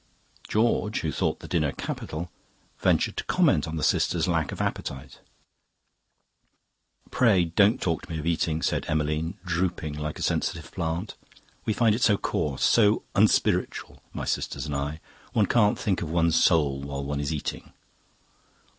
George, who thought the dinner capital, ventured to comment on the sisters' lack of appetite. "'Pray, don't talk to me of eating,' said Emmeline, drooping like a sensitive plant. 'We find it so coarse, so unspiritual, my sisters and I. One can't think of one's soul while one is eating.